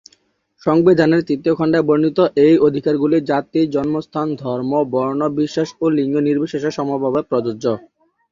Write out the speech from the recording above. সংবিধানের তৃতীয় খণ্ডে বর্ণিত এই অধিকারগুলি জাতি, জন্মস্থান, ধর্ম, বর্ণ, বিশ্বাস ও লিঙ্গ নির্বিশেষে সমভাবে প্রযোজ্য।